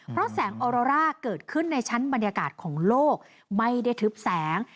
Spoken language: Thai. เพราะแสงออโรร่าเกิดขึ้นในชั้นบรรยากาศของโลกไม่ได้ทึบแสง